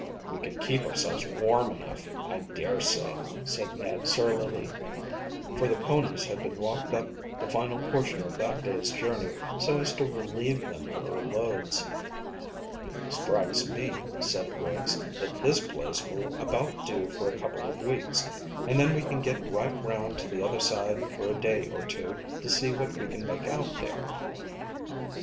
"We could keep ourselves warm enough, I dare say," said Ned surlily, for the ponies had been walked up the final portion of that day's journey so as to relieve them of their loads. "Strikes me," said Griggs, "that this place will about do for a couple of weeks, and then we can get right round to the other side for a day or two to see what we can make out there."